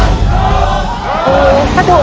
อยู่กับเซิง